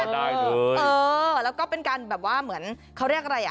ได้เถอะแล้วก็เป็นการแบบว่าเหมือนเขาเรียกอะไรอ่ะ